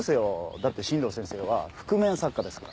だって新道先生は覆面作家ですから。